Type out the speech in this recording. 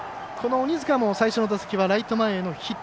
鬼塚も最初の打席はライト前へのヒット。